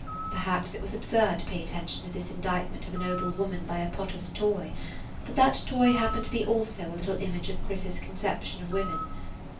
Perhaps it was absurd to pay attention to this indictment of a noble woman by a potter's toy, but that toy happened to be also a little image of Chris's conception of women.